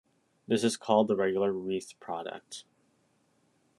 This is called the regular wreath product.